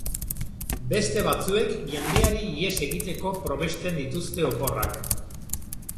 Beste batzuek jendeari ihes egiteko probesten dituzte oporrak.